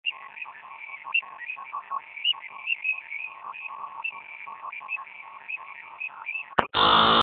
د اطلاعاتو او کلتور وزارت پټه خزانه عکسي چاپ کړې ده.